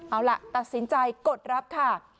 เอาล่ะตัดสินใจกดรับค่ะ